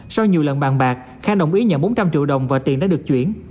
sau nhiều lần bàn bạc khanh đồng ý nhận bốn trăm linh triệu đồng và tiền đã được chuyển